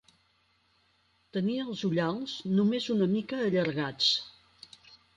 Tenia els ullals només una mica allargats.